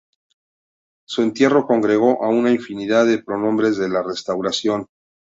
Su entierro congregó a una infinidad de prohombres de la Restauración.